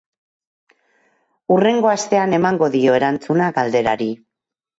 Hurrengo astean emango dio erantzuna galderari.